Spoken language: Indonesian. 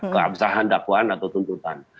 keabsahan dakwaan atau tuntutan